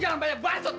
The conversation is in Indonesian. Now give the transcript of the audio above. jangan banyak bansut gue